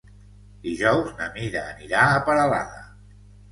Dijous na Mira anirà a Peralada.